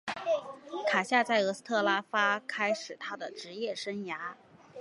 卡夏在俄斯特拉发开始他的职业生涯。